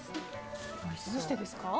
どうしてですか？